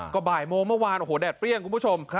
ก็บ่ายโมงเมื่อวานโอ้โหแดดเปรี้ยงคุณผู้ชม